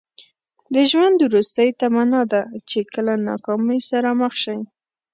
د ژوند وروستۍ تمنا ده چې کله ناکامۍ سره مخ شئ.